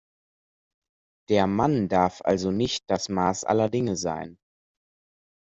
Der Mann darf also nicht das Maß aller Dinge sein.